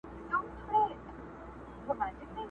مرګ د زړو دی غم د ځوانانو؛